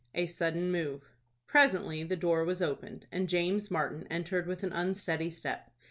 A SUDDEN MOVE. Presently the door was opened, and James Martin entered with an unsteady step.